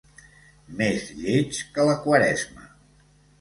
Més lleig que la Quaresma.